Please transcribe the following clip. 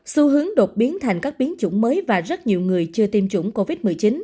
xu hướng đột biến thành các biến chủng mới và rất nhiều người chưa tiêm chủng covid một mươi chín